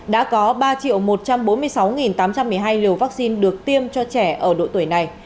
đã có ba một trăm bốn mươi sáu tám trăm một mươi hai liều vắc xin được tiêm cho trẻ ở đội tuổi này